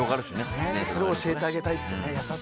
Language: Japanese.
それを教えてあげたい。